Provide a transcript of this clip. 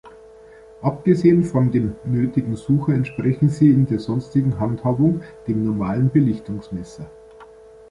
Abgesehen von dem nötigen Sucher entsprechen sie in der sonstigen Handhabung dem normalen Belichtungsmesser.